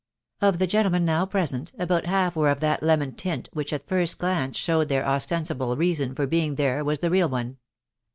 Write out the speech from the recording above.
Of the gentlemen now present, about half were of that lemon tint which at the first glance showed their ostensible reason for being there was the real one.